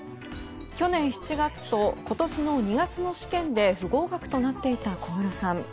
去年７月と今年の２月の試験で不合格となっていた小室さん。